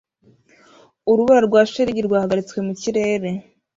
Urubura rwa shelegi rwahagaritswe mu kirere